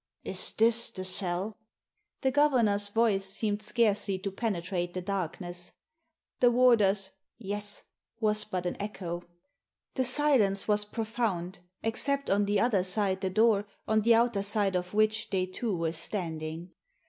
"Is this the cell?" The governor's voice seemed scarcely to penetrate the darkness. The warder's Yes " was but an echo. The silence was profound, except on the other side the door on the outer side of which they two were standing.